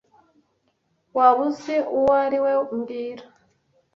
Waba uzi uwo ari we mbwira